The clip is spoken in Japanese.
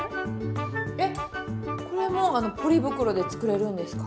えっこれもポリ袋で作れるんですか？